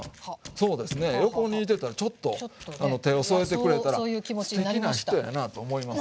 そうですね横にいてたらちょっと手を添えてくれたらすてきな人やなと思いますから。